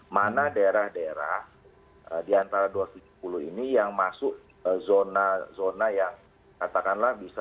mana daerah daerah di antara dua ratus tujuh puluh ini yang masuk zona zona yang katakanlah bisa